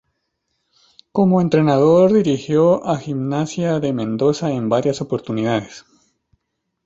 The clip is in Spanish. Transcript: Como entrenador dirigió a Gimnasia de Mendoza en varias oportunidades.